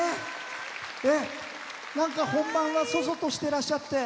なんか本番は楚々としてらっしゃって。